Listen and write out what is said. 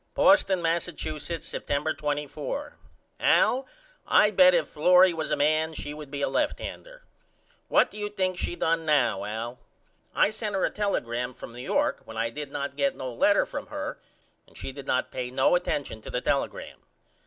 Boston, Massachusetts, September 24. AL: I bet if Florrie was a man she would be a left hander. What do you think she done now Al? I sent her a telegram from New York when I did not get no letter from her and she did not pay no atension to the telegram.